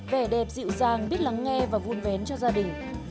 vẻ đẹp dịu dàng biết lắng nghe và vun vén cho gia đình